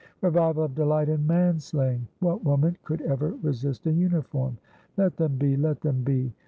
Revival of delight in manslayingwhat woman could ever resist a uniform? Let them be; let them be.